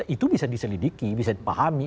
itu bisa diselidiki bisa dipahami